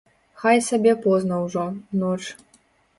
Хай сабе позна ўжо, ноч.